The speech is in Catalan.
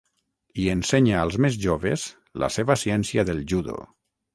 Hi ensenya als més joves la seva ciència del Judo.